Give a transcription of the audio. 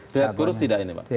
lihat kurus tidak ini pak